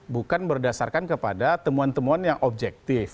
bukan berdasarkan kepada temuan temuan yang objektif